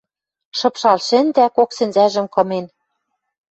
Шыпшал шӹндӓ, кок сӹнзӓжӹм кымен